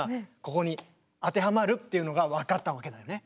ここに当てはまるっていうのが分かったわけだよね。